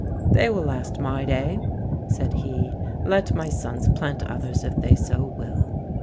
'They will last my day,' said he. 'Let my sons plant others if they so will.'